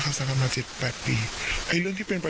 ก็โบราณต้องเห็นก้อ